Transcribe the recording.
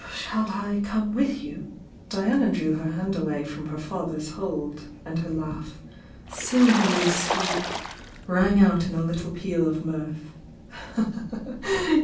Shall I come with you?" Diana drew her hand away from her father's hold, and her laugh, silvery sweet, rang out in a little peal of mirth.